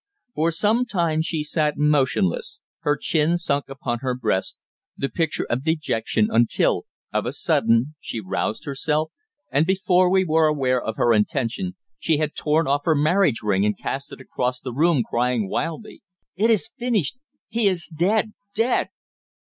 For some time she sat motionless, her chin sunk upon her breast, the picture of dejection, until, of a sudden, she roused herself, and before we were aware of her intention she had torn off her marriage ring and cast it across the room, crying wildly: "It is finished. He is dead dead!"